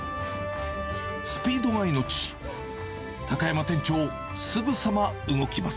スピードが命、高山店長、すぐさま動きます。